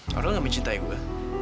aurel gak mencintai gue